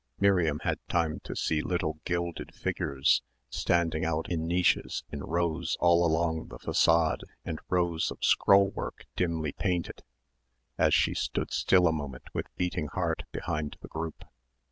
Miriam had time to see little gilded figures standing out in niches in rows all along the façade and rows of scrollwork dimly painted, as she stood still a moment with beating heart behind the group.